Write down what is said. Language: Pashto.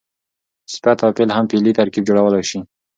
صفت او فعل هم فعلي ترکیب جوړولای سي.